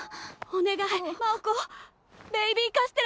お願い！